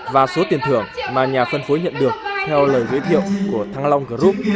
và số tiền thưởng mà nhà phân phối nhận được theo lời giới thiệu của thăng long group